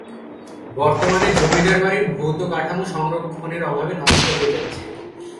বর্তমানে জমিদার বাড়ির ভৌত কাঠামো সংরক্ষণের অভাবে নষ্ট হয়ে যাচ্ছে।